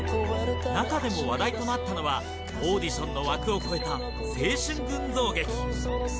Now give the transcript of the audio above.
中でも話題となったのは、オーディションの枠を超えた青春群像劇。